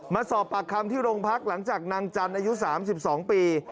มาสอบปากคำที่โรงพักหลังจากนางจันทร์อายุ๓๒ปี